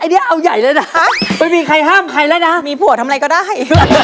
อันนี้เอาใหญ่เลยนะไม่มีใครห้ามใครแล้วนะมีผัวทำอะไรก็ได้